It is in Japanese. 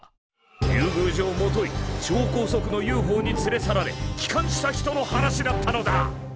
竜宮城もといちょうこうそくのＵＦＯに連れ去られ帰還した人の話だったのだ。